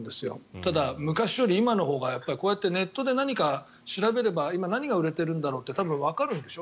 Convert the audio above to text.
ただ、昔より今のほうがネットでこういうふうに調べれば今、何が売れてるんだろうってわかるんでしょ？